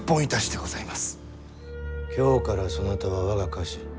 今日からそなたは我が家臣。